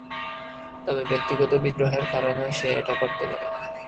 তবে ব্যক্তিগত বিদ্রোহের কারণেও সে এটা করতে পারে।